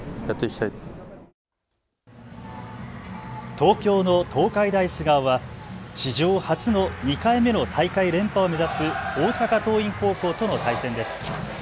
東京の東海大菅生は史上初の２回目の大会連覇を目指す大阪桐蔭高校との対戦です。